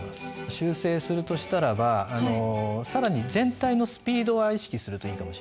修正するとしたらば更に全体のスピードは意識するといいかもしれないです。